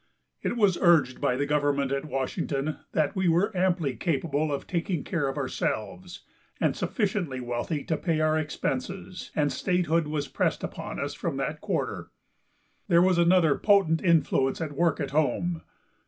It was urged by the government at Washington that we were amply capable of taking care of ourselves, and sufficiently wealthy to pay our expenses, and statehood was pressed upon us from that quarter. There was another potent influence at work at home.